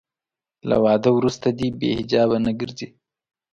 له واده وروسته دې بې حجابه نه ګرځي.